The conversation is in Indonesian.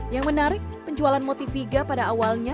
yang menarik penjualan motiviga pada awalnya